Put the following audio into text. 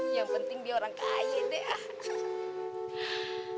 yang penting dia orang kaya deh